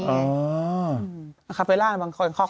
อ่าคาเฟลล่าบังคลังค็อก